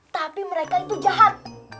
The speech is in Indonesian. tapi mereka itu jahat